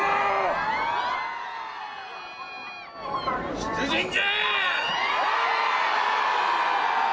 出陣じゃー！